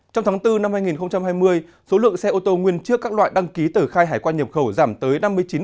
trong tháng bốn năm hai nghìn hai mươi số lượng xe ô tô nguyên trước các loại đăng ký tờ khai hải quan nhập khẩu giảm tới năm mươi chín